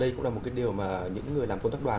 đây cũng là một cái điều mà những người làm công tác đoàn